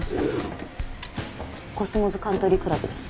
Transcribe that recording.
コスモズカントリークラブです。